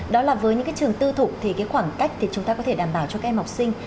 đó là với những cái trường tư thục thì cái khoảng cách thì chúng ta có thể đảm bảo cho các em học sinh